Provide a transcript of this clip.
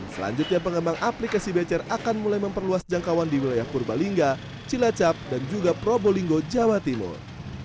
selanjutnya pengembang aplikasi becer akan mulai memperluas jangkauan di wilayah purbalingga cilacap dan juga probolinggo jawa timur